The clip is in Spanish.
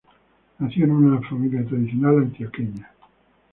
Nació en una familia tradicional antioqueña.